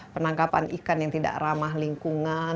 penangkapan ikan yang tidak ramah lingkungan